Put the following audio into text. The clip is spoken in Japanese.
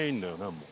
もう。